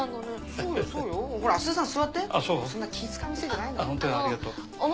そんな気を遣う店じゃないの。